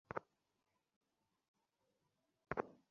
জেলে পাঠাবো আপনাকে।